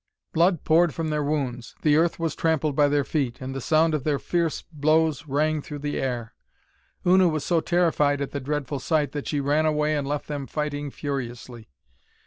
Blood poured from their wounds, the earth was trampled by their feet, and the sound of their fierce blows rang through the air. Una was so terrified at the dreadful sight that she ran away and left them fighting furiously.